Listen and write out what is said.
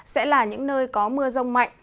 sẽ là những nơi có mưa rông mạnh